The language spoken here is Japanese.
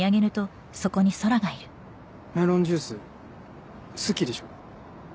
メロンジュース好きでしょ？